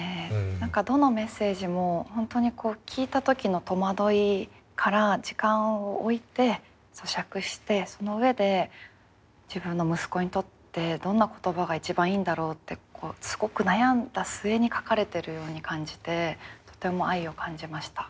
何かどのメッセージも本当にこう聞いた時の戸惑いから時間を置いてそしゃくしてその上で自分の息子にとってどんな言葉が一番いいんだろうってすごく悩んだ末に書かれてるように感じてとても愛を感じました。